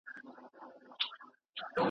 پرون یې بیا راته په شپو پسي شپې ولیکلې .